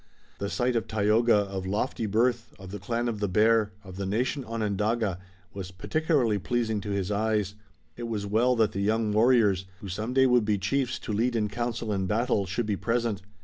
The sight of Tayoga, of lofty birth, of the clan of the Bear, of the nation Onondaga, was particularly pleasing to his eyes. It was well that the young warriors, who some day would be chiefs to lead in council and battle, should be present.